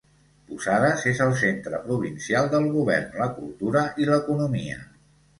Posadas és el centre provincial del govern, la cultura i l'economia.